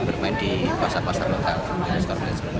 bermain di pasar pasar lokal